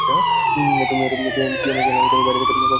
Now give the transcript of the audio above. এরপর মেয়রের পিয়ন জিলাল মিয়া বাইরে থেকে কক্ষে তালা ঝুলিয়ে দেন।